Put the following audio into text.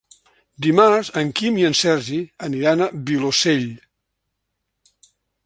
Dimarts en Quim i en Sergi aniran al Vilosell.